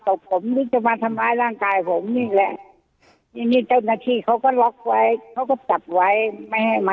พวกอะไรพวกนั้นพวกผู้ใหญ่บ้านน่ะเขาก็ใช่จะจับไว้ครับ